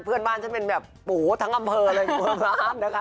เพื่อนบ้านฉันเป็นแบบปูทั้งอำเภอเลย